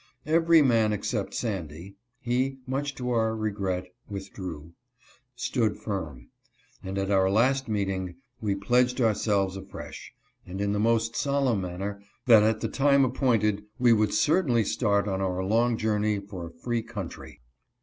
Every man except Sandy (he, much to our regret, withdrew) stood firm, and at our last meeting we pledged ourselves afresh, and in the most solemn manner, that at the time appointed we would certainly start on our long journey for a free coun try.